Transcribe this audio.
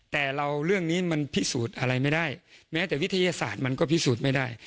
แต่เราเรื่องนี้มันพิสูจน์อะไรไม่ได้แม้แต่วิทยาศาสตร์มันก็พิสูจน์ไม่ได้